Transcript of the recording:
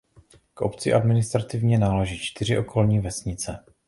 K obci administrativně náleží čtyři okolní vesnice.